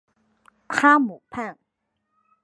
哈姆畔。